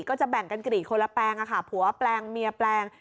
ก็จะแบ่งกันกรีดคนละแปลงผัวแปลงเมียแปลง